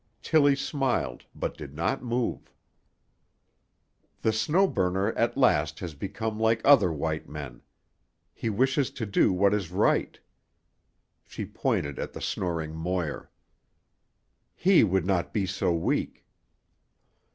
Tillie smiled but did not move. "The Snow Burner at last has become like other white men. He wishes to do what is right." She pointed at the snoring Moir. "He would not be so weak."